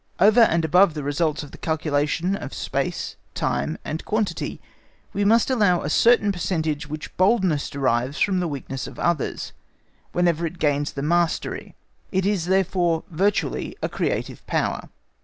Over and above the result of the calculation of space, time, and quantity, we must allow a certain percentage which boldness derives from the weakness of others, whenever it gains the mastery. It is therefore, virtually, a creative power.